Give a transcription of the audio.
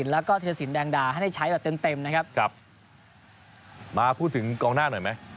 แล้วก็เทรสินแดงดาให้ได้ใช้แบบเต็มเต็มนะครับครับมาพูดถึงกองหน้าหน่อยไหม